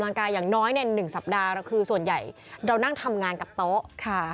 ในหนึ่งสัปดาห์คือส่วนใหญ่เรานั่งทำงานกับโต๊ะ